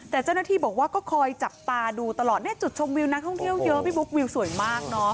แต่เจ้าหน้าที่บอกว่าก็คอยจับตาดูตลอดเนี่ยจุดชมวิวนักท่องเที่ยวเยอะพี่บุ๊ควิวสวยมากเนอะ